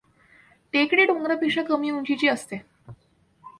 टेकडी डोंगरापेक्षा कमी उंचीची असते.